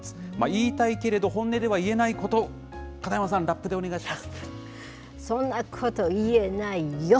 言いたいけれど、本音では言えないこと、片山さん、そんなこと言えないよ！